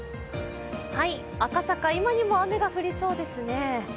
赤坂、今にも雨が降りそうですね